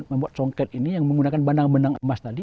membuat songket ini yang menggunakan bandang benang emas tadi